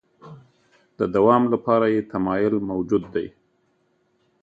د دوام لپاره یې تمایل موجود دی.